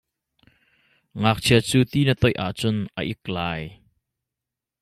Ngakchia cu ti na toih ahcun a ik lai.